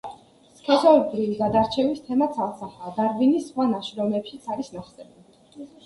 სქესობრივი გადარჩევის თემა, ცალსახაა, დარვინის სხვა ნაშრომებშიც არის ნახსენები.